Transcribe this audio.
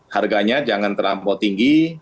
harganya jangan terlampau tinggi